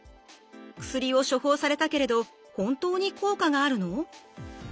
薬を処方されたけれど本当に効果があるの？